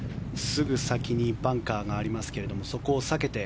すぐ先にバンカーがありますがそこを避けて。